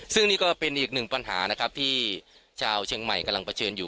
ซึ่งนี่ก็เป็นอีกหนึ่งปัญหานะครับที่ชาวเชียงใหม่กำลังเผชิญอยู่